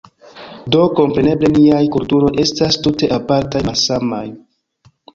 Do, kompreneble niaj kulturoj estas tute apartaj, malsamaj.